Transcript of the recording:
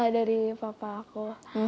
dari papa aku